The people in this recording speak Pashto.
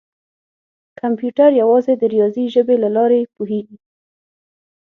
کمپیوټر یوازې د ریاضي ژبې له لارې پوهېږي.